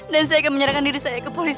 dan saya akan menyerahkan diri saya ke pulau